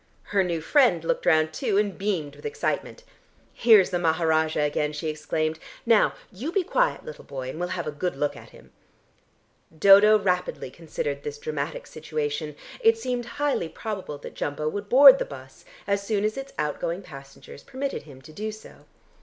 Her new friend looked round too, and beamed with excitement. "Here's the Maharajah again!" she exclaimed. "Now you be quiet, little boy, and we'll have a good look at him." Dodo rapidly considered this dramatic situation. It seemed highly probable that Jumbo would board the bus, as soon as its outgoing passengers permitted him to do so.